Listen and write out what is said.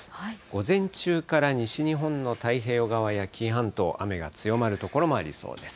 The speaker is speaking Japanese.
午前中から西日本の太平洋側や紀伊半島、雨が強まる所もありそうです。